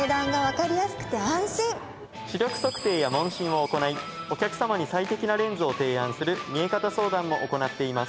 視力測定や問診を行いお客様に最適なレンズを提案する「見え方相談」も行っています。